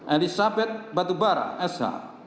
elizabeth batubara shmh